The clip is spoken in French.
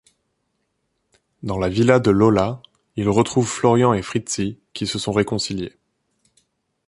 Dans la villa de Lola, il retrouve Florian et Fritzi qui se sont réconciliés.